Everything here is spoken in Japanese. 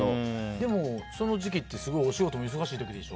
でもその時期ってお仕事も忙しい時期でしょ？